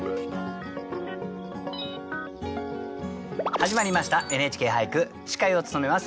始まりました「ＮＨＫ俳句」司会を務めます